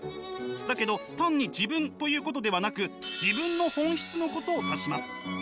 だけど単に自分ということではなく自分の本質のことを指します。